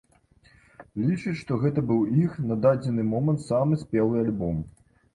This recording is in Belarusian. Лічаць, што гэта быў іх, на дадзены момант, самы спелы альбом.